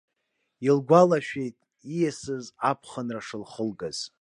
Илгәалашәеит ииасыз аԥхынра шылхылгаз.